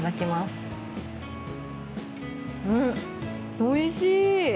うん、おいしい！